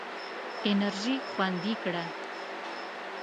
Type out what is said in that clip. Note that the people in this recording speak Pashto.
انرژي خوندي کړه.